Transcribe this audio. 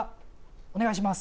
お願いします。